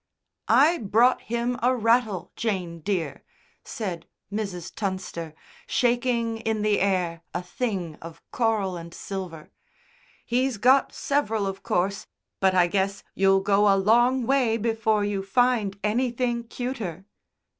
"I brought him a rattle, Jane, dear," said Mrs. Tunster, shaking in the air a thing of coral and silver. "He's got several, of course, but I guess you'll go a long way before you find anything cuter."